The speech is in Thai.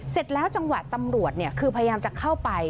เสร็จแล้วจังหวะตำรวจคือพยายามจะเข้าไป